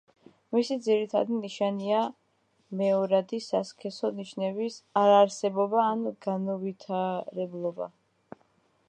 მისი ძირითადი ნიშანია მეორადი სასქესო ნიშნების არარსებობა ან განუვითარებლობა.